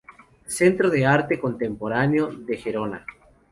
Centro de Arte Contemporáneo de Gerona.